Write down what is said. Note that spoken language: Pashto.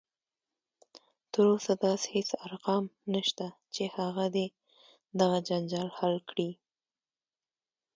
تر اوسه داسې هیڅ ارقام نشته دی چې هغه دې دغه جنجال حل کړي